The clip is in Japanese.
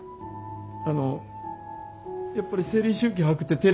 あのやっぱり生理周期把握ってテレビで言ったこと？